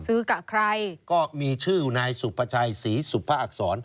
ซื้อกับใครก็มีชื่อนายสุภาชัยศรีสุภาอักษร